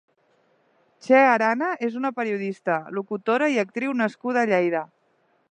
Txe Arana és una periodista, locutora i actriu nascuda a Lleida.